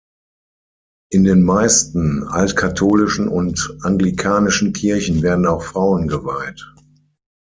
In den meisten altkatholischen und anglikanischen Kirchen werden auch Frauen geweiht.